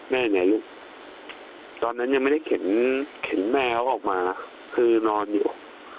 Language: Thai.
ยังไงลูกตอนนั้นยังไม่ได้เข็นแม่เขาออกมานะคือนอนอยู่